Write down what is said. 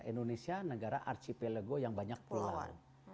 indonesia negara archipelago yang banyak pulauan